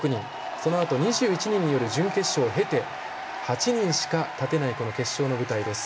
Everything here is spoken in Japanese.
そのあと２１人による準決勝をへて８人しか立てないこの決勝の舞台です。